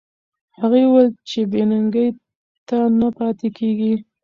هغې وویل چې بې ننګۍ ته نه پاتې کېږي.